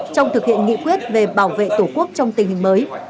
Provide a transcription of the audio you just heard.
trong thực hiện nghị quyết về bảo vệ tổ quốc trong tình hình mới